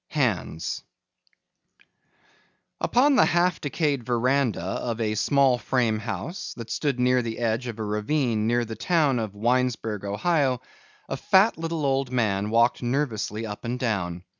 HANDS Upon the half decayed veranda of a small frame house that stood near the edge of a ravine near the town of Winesburg, Ohio, a fat little old man walked nervously up and down.